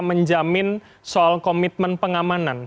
menjamin soal komitmen pengamanan